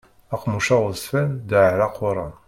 Aqemmuc aɣezfan ddarɛ aquran.